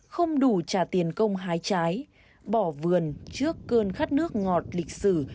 không đủ trả tiền công hái trái bỏ vườn trước cơn khát nước ngọt lịch sử